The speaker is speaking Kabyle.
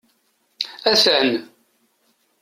Atan.